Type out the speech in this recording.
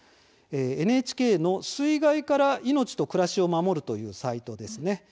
ＮＨＫの「水害から命と暮らしを守る」というサイトです。